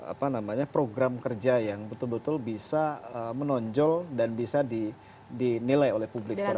apa namanya program kerja yang betul betul bisa menonjol dan bisa dinilai oleh publik secara